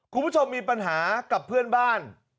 คุณผู้ชมมีปัญหากับเพื่อนบ้าน